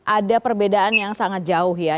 ada perbedaan yang sangat jauh ya